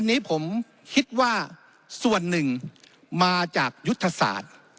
อันนี้ผมคิดว่าส่วนหนึ่งมาจากยุทธศาสตร์